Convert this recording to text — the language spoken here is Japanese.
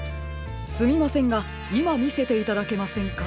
すみませんがいまみせていただけませんか？